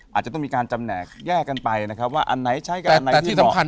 อาจจะต้องมีการจำแหนกแยกกันไปนะครับว่าอันไหนใช้กับอันไหนที่เหมาะ